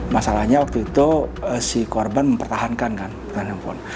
masalahnya waktu itu si korban mempertahankan kan menempel